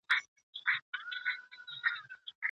ولي ځايي واردوونکي خوراکي توکي له هند څخه واردوي؟